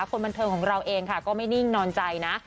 คนบันเทิงของเราเองค่ะก็ไม่นิ่งนอนใจนะ